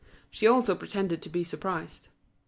She also pretended to be surprised.